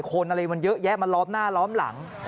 คนอะไรมันเยอะแยะมาล้อมหน้าล้อมหลัง